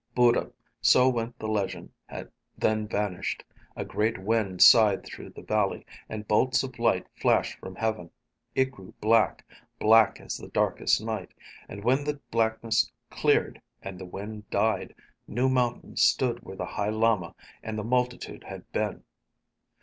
Buddha, so went the legend, then vanished. A great wind sighed through the valley, and bolts of light flashed from heaven. It grew black, black as the darkest night. And when the blackness cleared and the wind died, new mountains stood where the High Lama and the multitude had been.